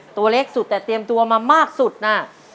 ตัวเล็กสุดแต่เตรียมตัวมามากสุดน่ะ